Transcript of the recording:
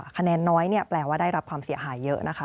คะแนนน้อยแปลว่าได้รับความเสียหายเยอะนะคะ